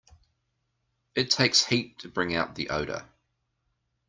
It takes heat to bring out the odor.